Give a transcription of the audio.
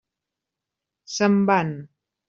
Se'n van.